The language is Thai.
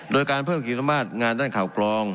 โดยการเพิ่มกิจมาตรงานด้านข่าวกรอง